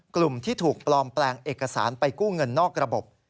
กลุ่มที่ถูกปลอมแปลงเอกสารไปกู้เงินนอกระบบ